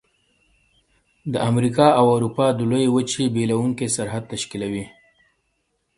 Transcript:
د امریکا او اروپا د لویې وچې بیلونکی سرحد تشکیلوي.